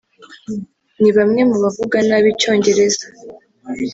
ni bamwe mu bavuga nabi Icyongereza